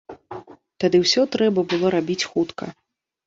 Тады ўсё трэба было рабіць хутка.